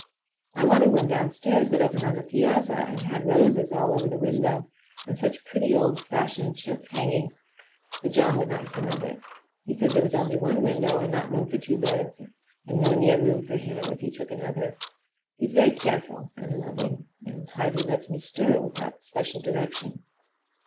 I wanted one downstairs that opened on the piazza and had roses all over the window, and such pretty old fashioned chintz hangings! but John would not hear of it. He said there was only one window and not room for two beds, and no near room for him if he took another. He is very careful and loving, and hardly lets me stir without special direction.